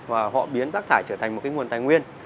và họ biến rác thải trở thành một cái nguồn tài nguyên